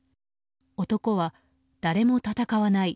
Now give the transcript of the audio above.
男は、誰も戦わない！